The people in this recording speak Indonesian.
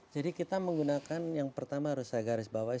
jadi kita menggunakan yang pertama harus saya garis bawah